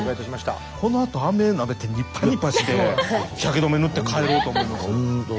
このあとアメなめてニパニパして日焼け止め塗って帰ろうと思います。